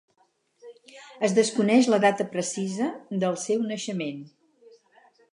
Es desconeix la data precisa del seu naixement.